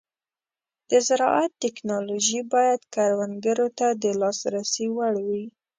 د زراعت ټيکنالوژي باید کروندګرو ته د لاسرسي وړ وي.